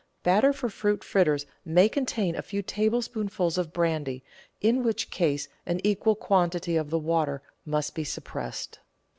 — Batter for fruit fritters may contain a few table spoonfuls of brandy, in which case an equal quantity of the water must be suppressed.